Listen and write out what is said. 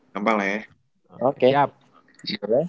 gampang lah ya oke